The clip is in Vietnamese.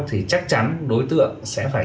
thì chắc chắn đối tượng sẽ phải